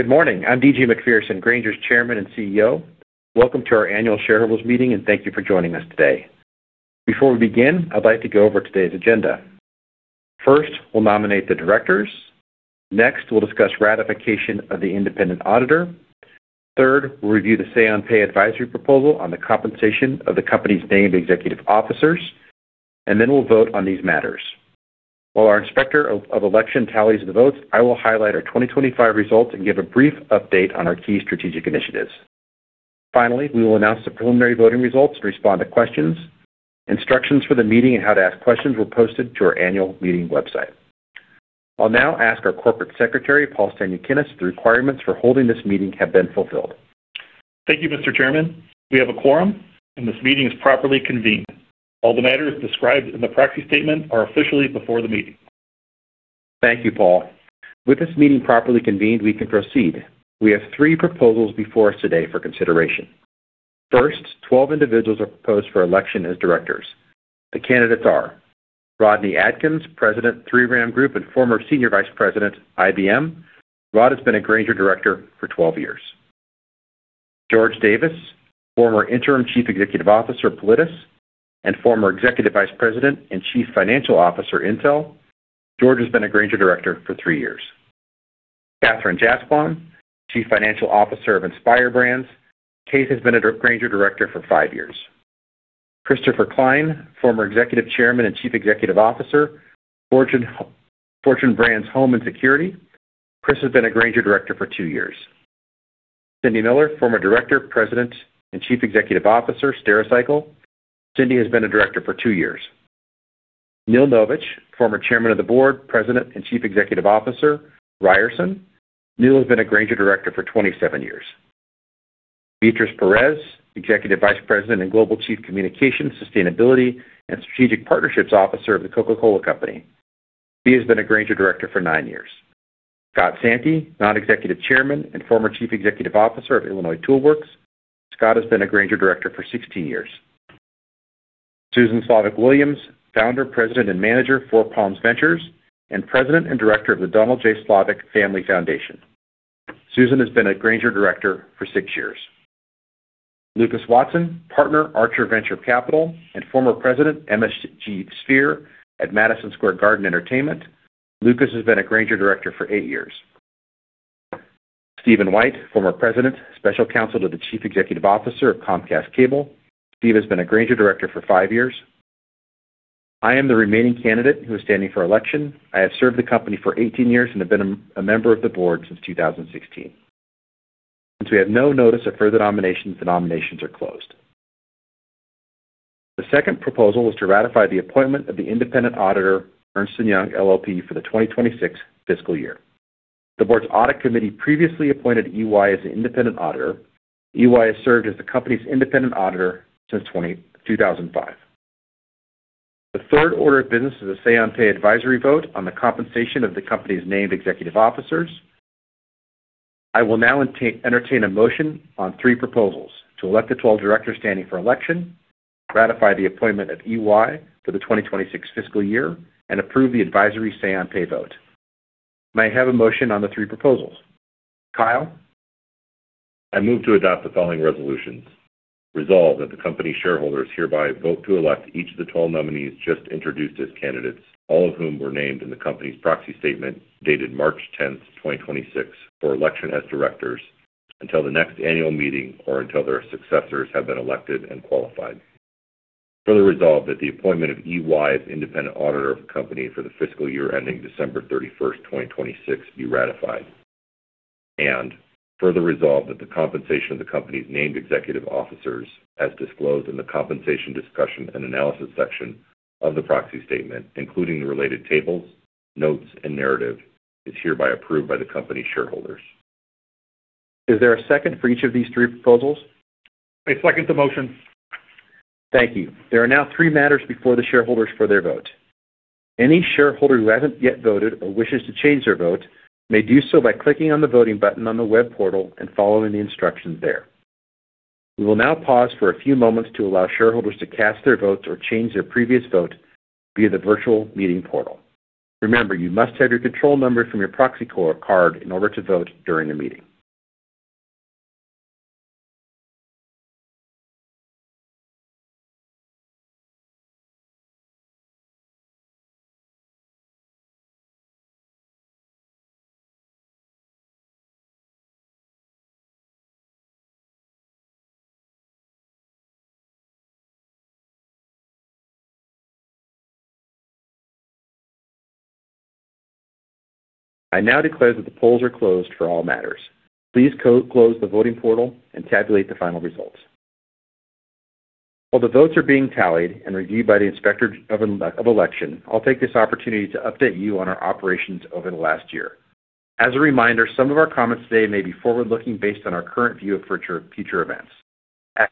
Good morning. I'm D.G. Macpherson, Grainger's Chairman and CEO. Welcome to our annual shareholders' meeting, and thank you for joining us today. Before we begin, I'd like to go over today's agenda. First, we'll nominate the directors. Next, we'll discuss ratification of the independent auditor. Third, we'll review the say-on-pay advisory proposal on the compensation of the company's named executive officers, and then we'll vote on these matters. While our inspector of election tallies the votes, I will highlight our 2025 results and give a brief update on our key strategic initiatives. Finally, we will announce the preliminary voting results and respond to questions. Instructions for the meeting and how to ask questions were posted to our annual meeting website. I'll now ask our corporate secretary, Paul Stanukinas, the requirements for holding this meeting have been fulfilled. Thank you, Mr. Chairman. We have a quorum, and this meeting is properly convened. All the matters described in the proxy statement are officially before the meeting. Thank you, Paul. With this meeting properly convened, we can proceed. We have three proposals before us today for consideration. First, 12 individuals are proposed for election as directors. The candidates are Rodney Adkins, President, 3RAM Group, and former Senior Vice President, IBM. Rod has been a Grainger director for 12 years. George Davis, former Interim Chief Executive Officer, Pallidus, and former Executive Vice President and Chief Financial Officer, Intel. George has been a Grainger director for years years. Katherine Jaspon, Chief Financial Officer of Inspire Brands. Katherine has been a Grainger director for five years. Christopher Klein, former Executive Chairman and Chief Executive Officer, Fortune Brands Home & Security. Chris has been a Grainger director for two years. Cindy Miller, former Director, President, and Chief Executive Officer, Stericycle. Cindy has been a director for two years. Neil S. Novich, former Chairman of the Board, President, and Chief Executive Officer, Ryerson. Neil S. Novich has been a Grainger director for 27 years. Beatriz R. Perez, Executive Vice President and Global Chief Communications, Sustainability, and Strategic Partnerships Officer of The Coca-Cola Company. Bea has been a Grainger director for nine years. E. Scott Santi, Non-Executive Chairman and former Chief Executive Officer of Illinois Tool Works Inc. Scott has been a Grainger director for 16 years. Susan Slavik Williams, Founder, President, and Manager, Four Palms Ventures, and President and Director of the Donald J. Slavik Family Foundation. Susan has been a Grainger director for six years. Lucas Watson, Partner, Archer Venture Capital, and former President, Sphere at Madison Square Garden Entertainment. Lucas has been a Grainger director for eight years. Steven White, former President, Special Counsel to the Chief Executive Officer of Comcast Cable. Steve has been a Grainger director for five years. I am the remaining candidate who is standing for election. I have served the company for 18 years and have been a member of the board since 2016. Since we have no notice of further nominations, the nominations are closed. The second proposal is to ratify the appointment of the independent auditor, Ernst & Young LLP, for the 2026 fiscal year. The board's audit committee previously appointed EY as the independent auditor. EY has served as the company's independent auditor since 2005. The third order of business is a say-on-pay advisory vote on the compensation of the company's named executive officers. I will now entertain a motion on three proposals: to elect the 12 directors standing for election, ratify the appointment of EY for the 2026 fiscal year, and approve the advisory say-on-pay vote. May I have a motion on the three proposals? Kyle? I move to adopt the following resolutions. Resolve that the company shareholders hereby vote to elect each of the 12 nominees just introduced as candidates, all of whom were named in the company's proxy statement dated March 10, 2026, for election as directors until the next annual meeting or until their successors have been elected and qualified. Further resolve that the appointment of EY as independent auditor of the company for the fiscal year ending December 31, 2026, be ratified. Further resolve that the compensation of the company's named executive officers, as disclosed in the compensation discussion and analysis section of the proxy statement, including the related tables, notes, and narrative, is hereby approved by the company's shareholders. Is there a second for each of these three proposals? I second the motion. Thank you. There are now three matters before the shareholders for their vote. Any shareholder who hasn't yet voted or wishes to change their vote may do so by clicking on the voting button on the web portal and following the instructions there. We will now pause for a few moments to allow shareholders to cast their votes or change their previous vote via the virtual meeting portal. Remember, you must have your control number from your proxy card in order to vote during the meeting. I now declare that the polls are closed for all matters. Please close the voting portal and tabulate the final results. While the votes are being tallied and reviewed by the inspector of election, I'll take this opportunity to update you on our operations over the last year. As a reminder, some of our comments today may be forward-looking based on our current view of future events.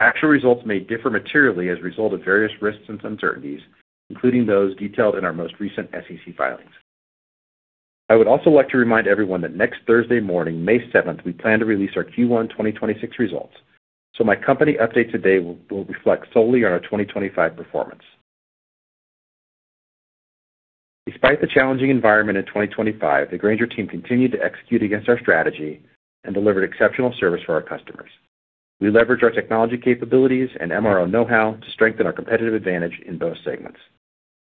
Actual results may differ materially as a result of various risks and uncertainties, including those detailed in our most recent SEC filings. I would also like to remind everyone that next Thursday morning, May seventh, we plan to release our Q1 2026 results. My company update today will reflect solely on our 2025 performance. Despite the challenging environment in 2025, the Grainger team continued to execute against our strategy and delivered exceptional service for our customers. We leveraged our technology capabilities and MRO know-how to strengthen our competitive advantage in both segments.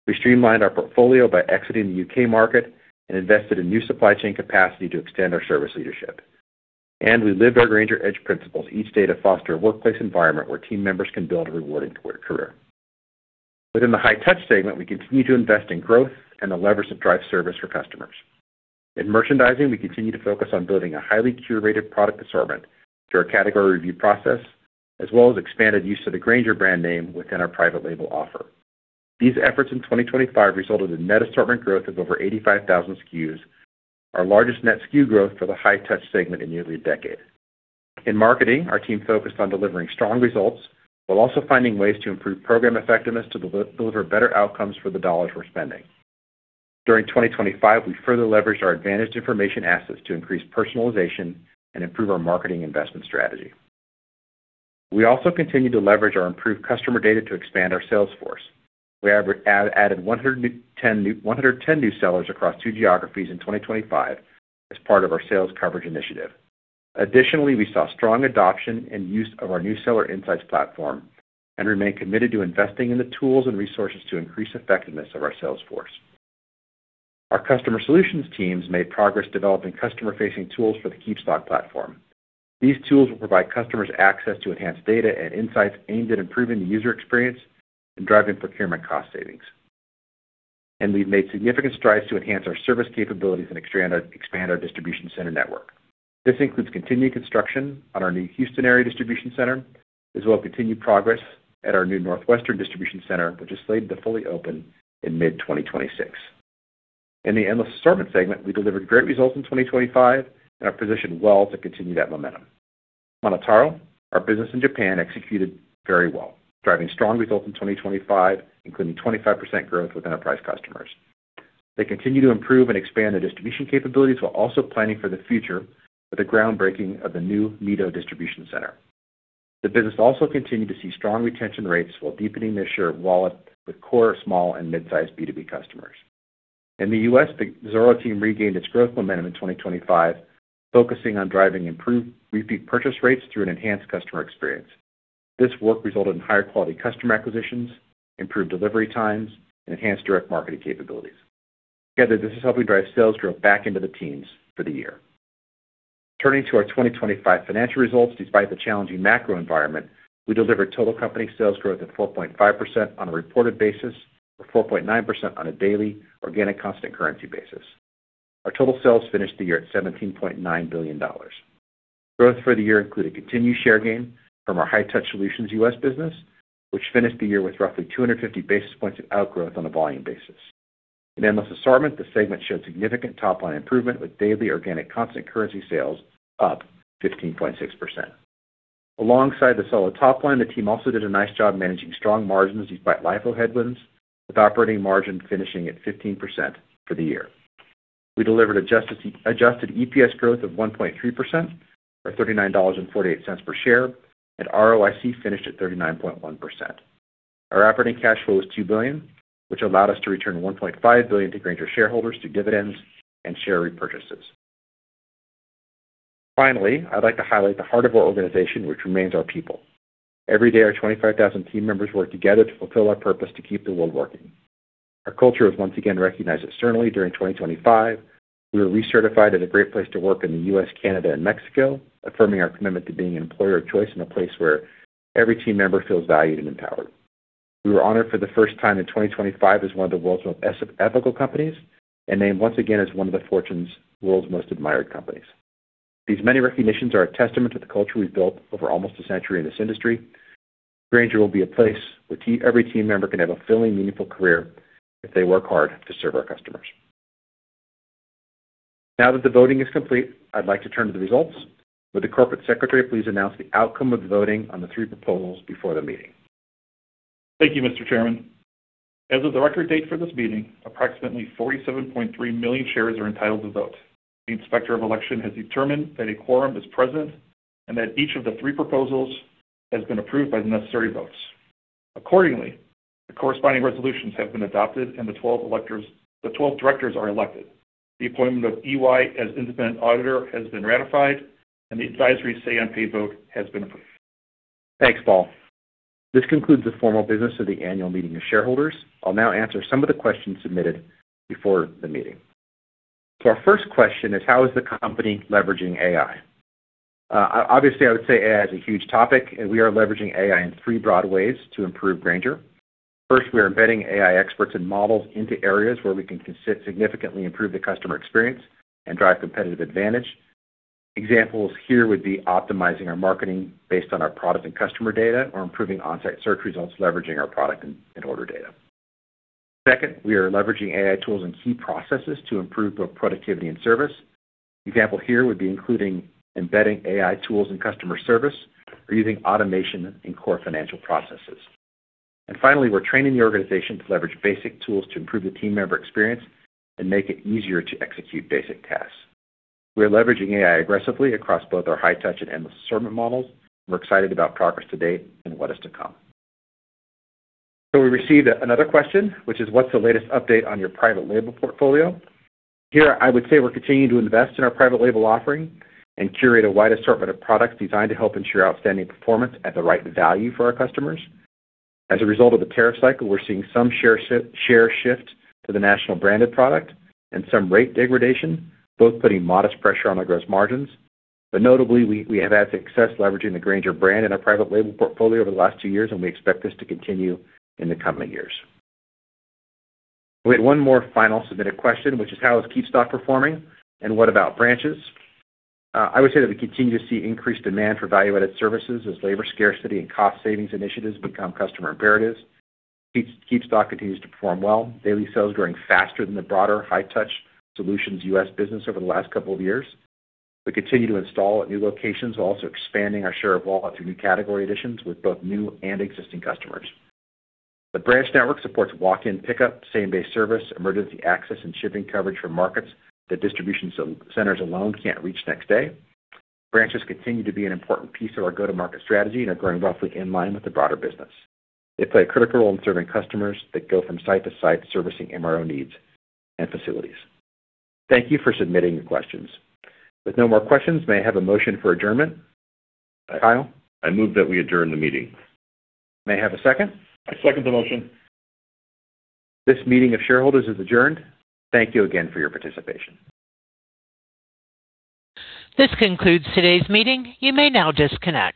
We streamlined our portfolio by exiting the U.K. market and invested in new supply chain capacity to extend our service leadership. We live our Grainger Edge principles each day to foster a workplace environment where team members can build a rewarding career. Within the high touch segment, we continue to invest in growth and the levers that drive service for customers. In merchandising, we continue to focus on building a highly curated product assortment through our category review process, as well as expanded use of the Grainger brand name within our private label offer. These efforts in 2025 resulted in net assortment growth of over 85,000 SKUs, our largest net SKU growth for the high touch segment in nearly a decade. In marketing, our team focused on delivering strong results while also finding ways to improve program effectiveness to deliver better outcomes for the dollars we're spending. During 2025, we further leveraged our advantage information assets to increase personalization and improve our marketing investment strategy. We also continued to leverage our improved customer data to expand our sales force. We have added 110 new sellers across two geographies in 2025 as part of our sales coverage initiative. Additionally, we saw strong adoption and use of our new seller insights platform and remain committed to investing in the tools and resources to increase effectiveness of our sales force. Our customer solutions teams made progress developing customer-facing tools for the KeepStock platform. These tools will provide customers access to enhanced data and insights aimed at improving the user experience and driving procurement cost savings. We've made significant strides to enhance our service capabilities and expand our distribution center network. This includes continued construction on our new Houston area distribution center, as well as continued progress at our new Northwestern distribution center, which is slated to fully open in mid 2026. In the endless assortment segment, we delivered great results in 2025 and are positioned well to continue that momentum. MonotaRO, our business in Japan, executed very well, driving strong results in 2025, including 25% growth with enterprise customers. They continue to improve and expand their distribution capabilities while also planning for the future with the groundbreaking of the new Mito distribution center. The business also continued to see strong retention rates while deepening their share of wallet with core small and mid-sized B2B customers. In the U.S., the Zoro team regained its growth momentum in 2025, focusing on driving improved repeat purchase rates through an enhanced customer experience. This work resulted in higher quality customer acquisitions, improved delivery times, and enhanced direct marketing capabilities. Together, this is helping drive sales growth back into the teens for the year. Turning to our 2025 financial results, despite the challenging macro environment, we delivered total company sales growth at 4.5% on a reported basis, or 4.9% on a daily organic constant currency basis. Our total sales finished the year at $17.9 billion. Growth for the year included continued share gain from our high-touch solutions U.S. business, which finished the year with roughly 250 basis points of outgrowth on a volume basis. In endless assortment, the segment showed significant top line improvement with daily organic constant currency sales up 15.6%. Alongside the solid top line, the team also did a nice job managing strong margins despite LIFO headwinds, with operating margin finishing at 15% for the year. We delivered adjusted EPS growth of 1.3%, or $39.48 per share, and ROIC finished at 39.1%. Our operating cash flow was $2 billion, which allowed us to return $1.5 billion to Grainger shareholders through dividends and share repurchases. Finally, I'd like to highlight the heart of our organization, which remains our people. Every day, our 25,000 team members work together to fulfill our purpose to keep the world working. Our culture was once again recognized externally during 2025. We were recertified as a great place to work in the U.S., Canada, and Mexico, affirming our commitment to being an employer of choice and a place where every team member feels valued and empowered. We were honored for the first time in 2025 as one of the world's most ethical companies, and named once again as one of the Fortune World's Most Admired Companies. These many recognitions are a testament to the culture we've built over almost a century in this industry. Grainger will be a place where every team member can have a fulfilling, meaningful career if they work hard to serve our customers. The voting is complete, I'd like to turn to the results. Would the Corporate Secretary please announce the outcome of the voting on the three proposals before the meeting? Thank you, Mr. Chairman. As of the record date for this meeting, approximately 47.3 million shares are entitled to vote. The Inspector of Election has determined that a quorum is present and that each of the three proposals has been approved by the necessary votes. Accordingly, the corresponding resolutions have been adopted, and the 12 directors are elected. The appointment of EY as independent auditor has been ratified, and the advisory say-on-pay vote has been approved. Thanks, Paul. This concludes the formal business of the annual meeting of shareholders. I'll now answer some of the questions submitted before the meeting. Our first question is: How is the company leveraging AI? Obviously, I would say AI is a huge topic, and we are leveraging AI in three broad ways to improve Grainger. First, we are embedding AI experts and models into areas where we can significantly improve the customer experience and drive competitive advantage. Examples here would be optimizing our marketing based on our product and customer data or improving on-site search results, leveraging our product and order data. Second, we are leveraging AI tools and key processes to improve both productivity and service. Example here would be including embedding AI tools in customer service or using automation in core financial processes. Finally, we're training the organization to leverage basic tools to improve the team member experience and make it easier to execute basic tasks. We are leveraging AI aggressively across both our high touch and endless assortment models. We're excited about progress to date and what is to come. We received another question, which is: What's the latest update on your private label portfolio? Here, I would say we're continuing to invest in our private label offering and curate a wide assortment of products designed to help ensure outstanding performance at the right value for our customers. As a result of the tariff cycle, we're seeing some share shift to the national branded product and some rate degradation, both putting modest pressure on our gross margins. Notably, we have had success leveraging the Grainger brand in our private label portfolio over the last two years, and we expect this to continue in the coming years. We had one more final submitted question, which is: How is KeepStock performing, and what about branches? I would say that we continue to see increased demand for value-added services as labor scarcity and cost savings initiatives become customer imperatives. KeepStock continues to perform well. Daily sales growing faster than the broader high-touch solutions U.S. business over the last couple of years. We continue to install at new locations, while also expanding our share of wallet through new category additions with both new and existing customers. The branch network supports walk-in pickup, same-day service, emergency access, and shipping coverage for markets that distribution centers alone can't reach next day. Branches continue to be an important piece of our go-to-market strategy and are growing roughly in line with the broader business. They play a critical role in serving customers that go from site to site servicing MRO needs and facilities. Thank you for submitting your questions. With no more questions, may I have a motion for adjournment? Kyle? I move that we adjourn the meeting. May I have a second? I second the motion. This meeting of shareholders is adjourned. Thank you again for your participation. This concludes today's meeting. You may now disconnect.